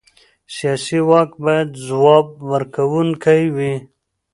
سیاسي واک باید ځواب ورکوونکی وي